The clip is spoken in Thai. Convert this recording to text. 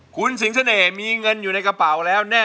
คุณสิงเสน่ห์มีเงินอยู่ในกระเป๋าแล้วแน่